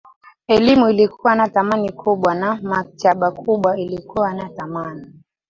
elimu ilikuwa na thamani kubwa na maktaba kubwa ilikuwa na thamani